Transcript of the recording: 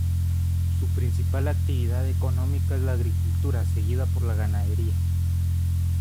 Su principal actividad económica es la agricultura seguida por la ganadería.